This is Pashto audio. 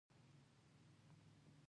ما وویل شمال لور ته نشم تللی ځکه سنایپر دی